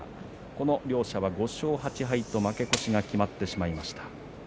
この両者５勝８敗と負け越しが決まってしまいました。